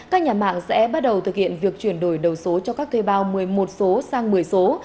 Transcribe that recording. các nhà mạng sẽ bắt đầu thực hiện việc chuyển đổi đầu số cho các thuê bao một mươi một số sang một mươi số